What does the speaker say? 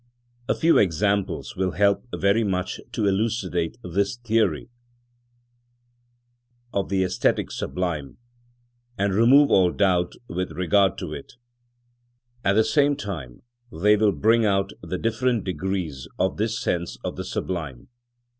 A few examples will help very much to elucidate this theory of the æsthetic sublime and remove all doubt with regard to it; at the same time they will bring out the different degrees of this sense of the sublime.